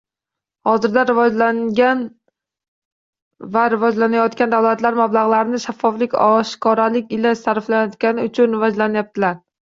Hozirda rivojnagan va rivojlanayotgan davlatlar mablag‘larini shaffoflik oshkoralik ila sarflayotganlari uchun rivojlanayaptilar.